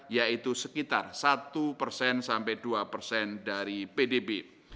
yaitu sekitar satu persen sampai dua persen dari pdb